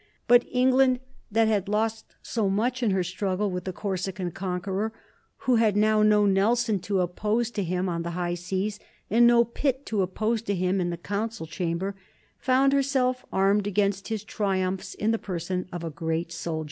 But England, that had lost so much in her struggle with the Corsican conqueror, who had now no Nelson to oppose to him on the high seas, and no Pitt to oppose to him in the council chamber, found herself armed against his triumphs in the person of a great soldier.